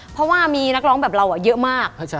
เพราะว่ามีนักร้องแบบเราเยอะมาก